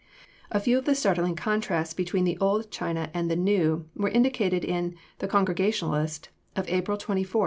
A few of the startling contrasts between the Old China and the New were indicated in the Congregationalist of April 24, 1913.